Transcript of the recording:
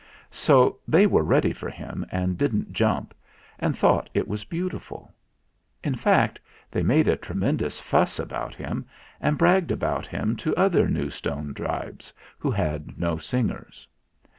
So they were ready for him and didn't jump, and thought it was beautiful. In fact, they made a tremendous fuss about him and bragged about him to other New Stone tribes who had no singers.